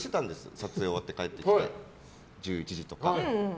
撮影が終わって帰ってきて１１時とか。